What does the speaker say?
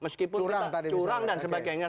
meskipun curang dan sebagainya